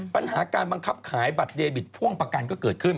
ปัญหาการบังคับขายบัตรเดบิตพ่วงประกันก็เกิดขึ้น